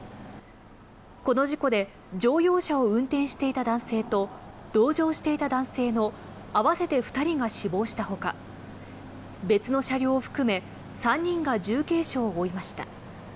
この事故で乗用車を運転していた男性と同乗していた男性の合わせて２人が死亡したほか、別の車両を含め３人が重軽傷を負いました。